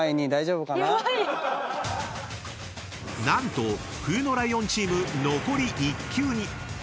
［何と冬のライオンチーム残り１球に］